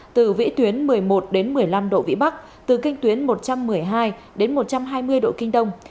từ vĩ tuyến một mươi một đến một mươi năm độ vĩ bắc từ kinh tuyến một trăm một mươi hai đến một trăm hai mươi độ kinh đông